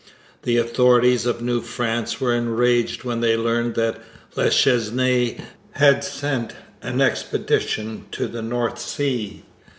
The authorities of New France were enraged when they learned that La Chesnaye had sent an expedition to the North Sea.